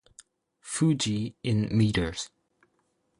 Fuji in meters.